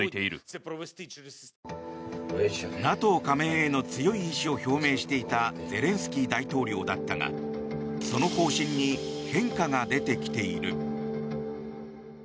ＮＡＴＯ加盟への強い意志を表明していたゼレンスキー大統領だったがその方針に変化が出てきている。